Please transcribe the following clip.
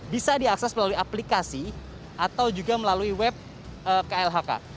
bisa diakses melalui aplikasi atau juga melalui web klhk